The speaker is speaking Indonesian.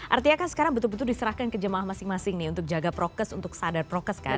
artinya kan sekarang betul betul diserahkan ke jemaah masing masing nih untuk jaga prokes untuk sadar prokes kan